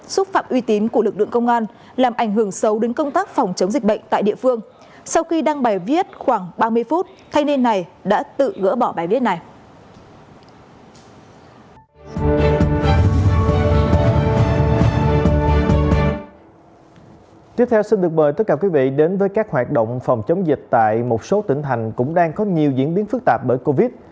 xin chào quý vị đến với các hoạt động phòng chống dịch tại một số tỉnh thành cũng đang có nhiều diễn biến phức tạp bởi covid